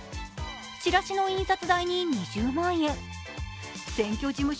チラシの印刷代に２０万円、選挙事務所